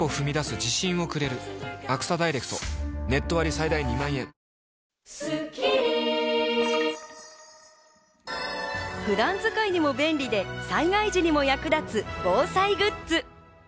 さらにこの普段使いにも便利で、災害時にも役立つ防災グッズ。